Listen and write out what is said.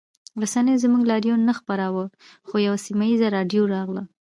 رسنیو زموږ لاریون نه خپراوه خو یوه سیمه ییزه راډیو راغله